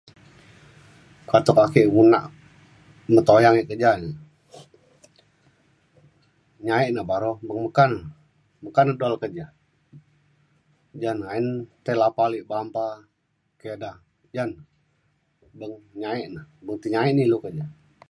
katuk ake beng nak me tuyang e keja nyae nuk baro beng meka ne meka ne dau le keja jane ayen tai lepa alik bampa ke ida jane beng nyae na beng ti nyae na ilu keja